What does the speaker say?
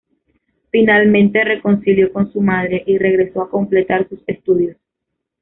Finalmente, reconcilió con su madre y regresó a completar sus estudios.